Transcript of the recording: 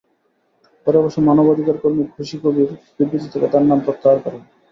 পরে অবশ্য মানবাধিকারকর্মী খুশী কবির বিবৃতি থেকে তাঁর নাম প্রত্যাহার করেন।